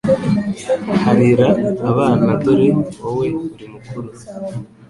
Harira abana dore wowe uri mukuru